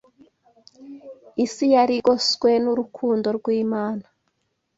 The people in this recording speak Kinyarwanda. Isi yari igoswe n’urukundo rw’Imana.